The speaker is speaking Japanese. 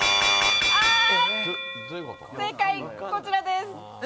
正解こちらです。